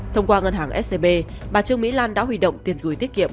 thông qua ngân hàng scb bà trương mỹ lan đã huy động tiền gửi tiết kiệm